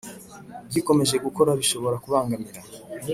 Gikomeje gukora bishobora kubangamira